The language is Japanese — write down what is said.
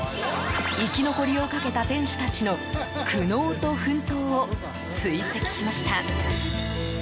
生き残りをかけた店主たちの苦悩と奮闘を追跡しました。